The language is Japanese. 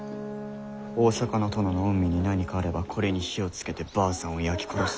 大坂の殿の御身に何かあればこれに火をつけてばあさんを焼き殺す。